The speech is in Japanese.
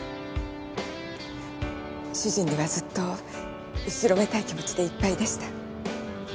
主人にはずっと後ろめたい気持ちでいっぱいでした。